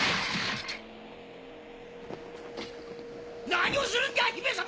何をするんじゃ姫様！